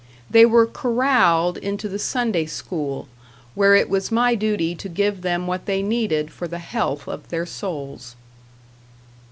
They were corralled into the Sunday school, where it was my duty to give them what they needed for the health of their souls.